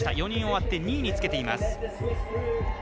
４人終わって２位につけています。